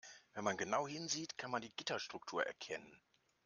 Wenn man genau hinsieht, kann man die Gitterstruktur erkennen.